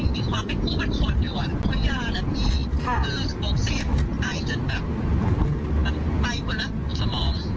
ดูเสต่ายจนมันใจหมดแล้วมุกสมอง